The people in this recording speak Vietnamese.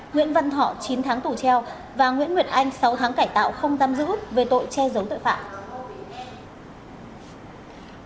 nguyễn văn thọ chín tháng tù treo và nguyễn nguyệt anh sáu tháng cải tạo không giam giữ về tội che giấu tội phạm